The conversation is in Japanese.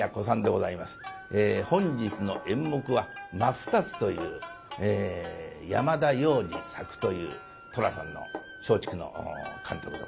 本日の演目は「真二つ」という山田洋次・作という「寅さん」の松竹の監督でございます。